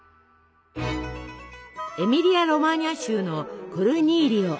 エミリア・ロマーニャ州のコルニーリオ。